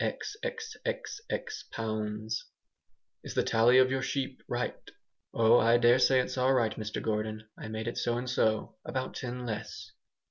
xxxx pounds "Is the tally of your sheep right?" "Oh! I daresay it's all right, Mr Gordon, I made it so and so; about ten less."